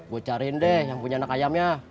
gue cariin deh yang punya anak ayamnya